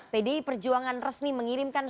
pdi perjuangan resmi mengirimkan